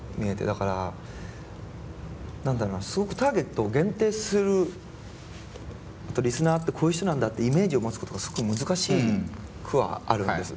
だから何だろうなすごくターゲットを限定するリスナーってこういう人なんだってイメージを持つことがすごく難しくはあるんです。